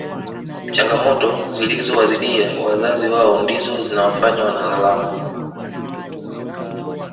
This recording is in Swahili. Changamoto zilizo wazidia wazazi wao ndizo zinawafanya wanalalama